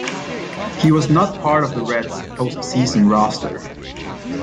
He was not part of the Reds' post-season roster.